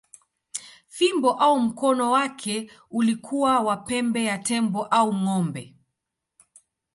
Fimbo au mkono wake ulikuwa wa pembe ya tembo au ng’ombe.